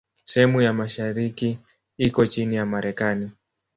Sehemu ya mashariki iko chini ya Marekani.